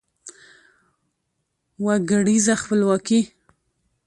وګړیزه خپلواکي